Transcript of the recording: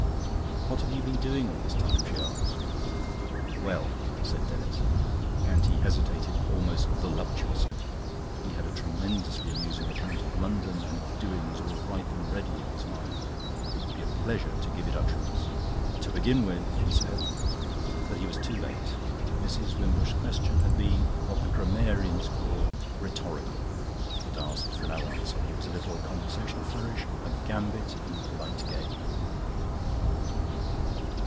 "What have you been doing all this time?" she asked. "Well," said Denis, and he hesitated, almost voluptuously. He had a tremendously amusing account of London and its doings all ripe and ready in his mind. It would be a pleasure to give it utterance. "To begin with," he said... But he was too late. Mrs. Wimbush's question had been what the grammarians call rhetorical; it asked for no answer. It was a little conversational flourish, a gambit in the polite game.